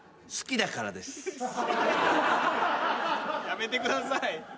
やめてください。